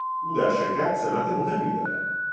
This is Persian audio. او در شرکت سمت مهمی دارد.